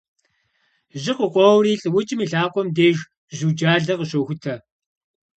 Жьы къыкъуоури лӏыукӏым и лъакъуэм деж жьуджалэ къыщохутэ.